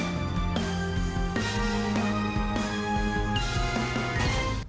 tiếp nối chương trình